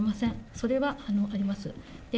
それはあります。